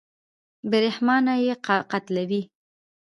بېرحمانه یې قتلوي.